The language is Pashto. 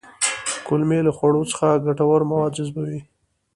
کولمې له خوړو څخه ګټور مواد جذبوي